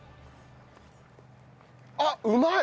あっうまい！